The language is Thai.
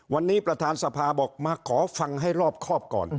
วันนี้ประธานสภาบอกมาขอฟังให้รอบครอบก่อน